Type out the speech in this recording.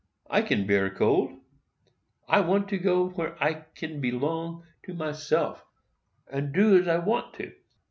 I can bear cold. I want to go where I can belong to myself, and do as I want to."